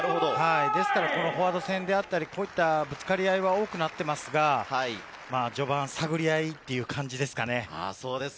フォワード戦であったり、ぶつかり合いが多くなっていますが、序盤、探り合いという感じですかね。